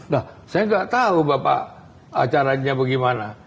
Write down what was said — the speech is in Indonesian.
nah saya nggak tahu bapak acaranya bagaimana